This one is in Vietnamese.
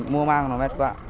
mua mang nó mệt quá